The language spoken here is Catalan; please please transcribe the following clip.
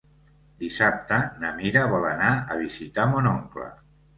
Dissabte na Mira vol anar a visitar mon oncle.